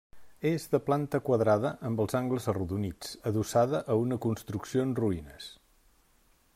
És de planta quadrada amb els angles arrodonits, adossada a una construcció en ruïnes.